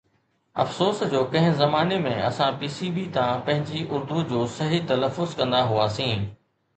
افسوس جو ڪنهن زماني ۾ اسان بي بي سي تان پنهنجي اردو جو صحيح تلفظ ڪندا هئاسين